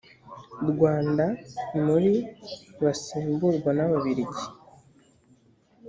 rwanda muri basimburwa n ababirigi